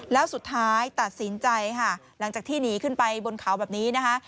แล้วสุดท้ายตัดสินใจค่ะหลังจากที่หนีขึ้นไปบนเขาแบบนี้นะคะ